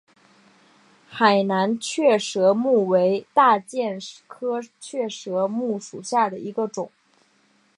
海南雀舌木为大戟科雀舌木属下的一个种。